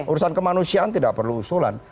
urusan kemanusiaan tidak perlu usulan